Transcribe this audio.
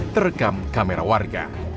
terekam kamera warga